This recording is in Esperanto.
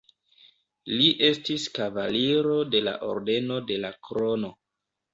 Li estis kavaliro de la Ordeno de la Krono.